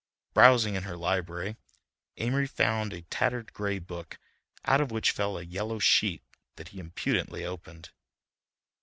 Browsing in her library, Amory found a tattered gray book out of which fell a yellow sheet that he impudently opened.